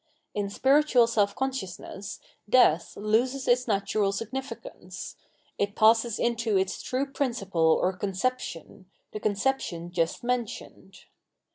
In spiritual self consciousness death loses its natural significance ; it passes into its true principle or con ception, the conception just mentioned.